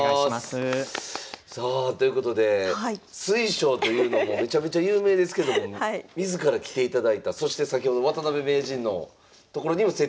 さあということで水匠というのもめちゃめちゃ有名ですけども自ら来ていただいたそして先ほど渡辺名人の所にもセッティングされてた。